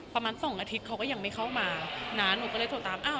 ประมาณสองอาทิตย์เขาก็ยังไม่เข้ามาน้าหนูก็เลยโทรตามอ้าว